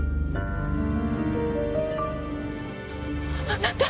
あなた。